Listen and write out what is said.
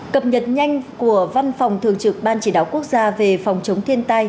cập nhật nhanh của văn phòng thường trực ban chỉ đạo quốc gia về phòng chống thiên tai